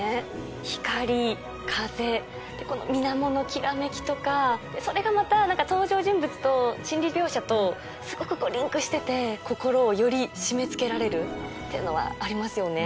光風水面のきらめきとかそれがまた登場人物と心理描写とすごくリンクしてて心をより締め付けられるっていうのはありますよね。